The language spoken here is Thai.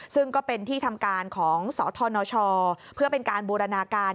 ซึ่งก็เป็นที่ทำการของสธนชเพื่อเป็นการบูรณาการ